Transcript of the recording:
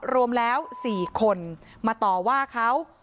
รวมแล้ว๔คนมาต่อว่าเขา